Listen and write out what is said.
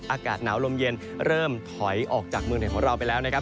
อากาศหนาวลมเย็นเริ่มถอยออกจากเมืองไทยของเราไปแล้วนะครับ